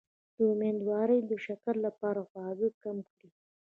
د امیدوارۍ د شکر لپاره خواږه کم کړئ